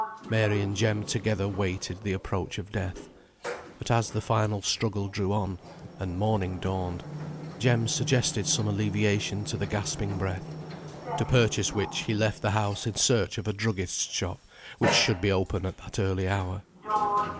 Mary and Jem together waited the approach of death; but as the final struggle drew on, and morning dawned, Jem suggested some alleviation to the gasping breath, to purchase which he left the house in search of a druggist's shop, which should be open at that early hour.